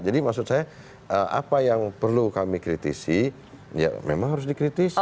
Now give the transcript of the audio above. jadi maksud saya apa yang perlu kami kritisi ya memang harus dikritisi